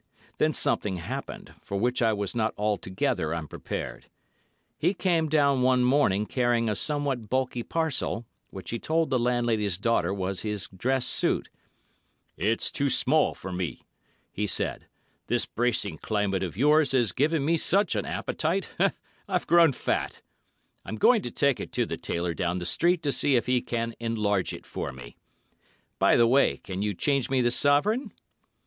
Then something happened, for which I was not altogether unprepared. He came down one morning carrying a somewhat bulky parcel, which he told the landlady's daughter was his dress suit. "It's too small for me," he said. "This bracing climate of yours has given me such an appetite, I've grown fat. I'm going to take it to the tailor down the street to see if he can enlarge it for me. By the way, can you change me this sovereign?"